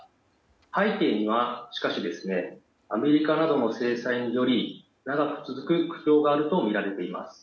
背景にはアメリカなどの制裁により長く続く苦境があるとみられています。